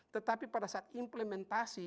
tetapi pada saat implementasi